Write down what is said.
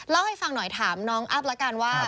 เล่าให้ฟังหน่อยถามน้องอัพละกันว่า